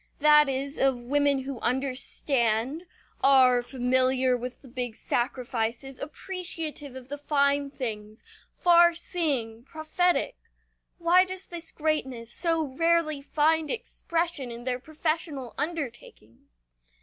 That is, of women who understand, are familiar with the big sacrifices, appreciative of the fine things, far seeing, prophetic. Why does this greatness so rarely find expression in their professional undertakings?